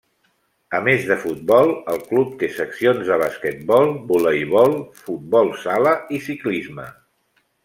A més de futbol el club té seccions de basquetbol, voleibol, futbol sala i ciclisme.